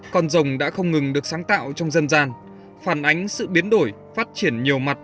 con rồng đã không ngừng được sáng tạo trong dân gian phản ánh sự biến đổi phát triển nhiều mặt